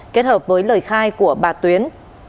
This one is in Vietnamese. kết hợp với lời khai của bà tuyến